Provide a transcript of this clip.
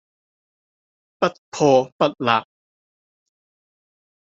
不破不立